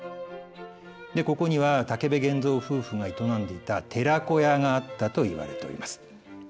ここには武部源蔵夫婦が営んでいた寺子屋があったと言われております。